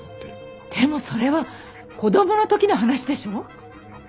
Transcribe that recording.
でもそれは子供の時の話でしょ？